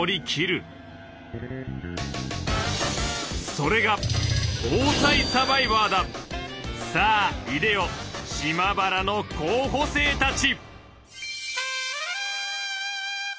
それがさあいでよ島原の候補生たち！